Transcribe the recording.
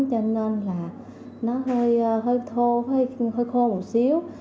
cho nên là nó hơi thô hơi khô một xíu